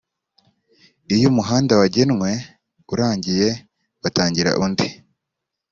iyo umuhanda wajyenwe urangiye batangira undi.